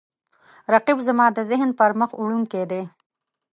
رقیب زما د ذهن پرمخ وړونکی دی